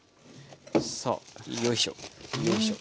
さあよいしょよいしょ。